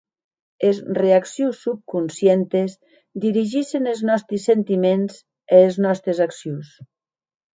Es reaccions subconscientes dirigissen es nòsti sentiments e es nòstes accions.